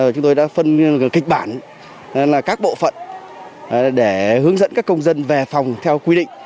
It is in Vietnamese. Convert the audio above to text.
chúng tôi đã phân kịch bản các bộ phận để hướng dẫn các công dân về phòng theo quy định